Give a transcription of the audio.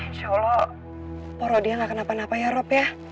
insya allah porodia gak kenapa napa ya rob ya